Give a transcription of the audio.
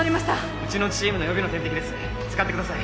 うちのチームの予備の点滴です使ってください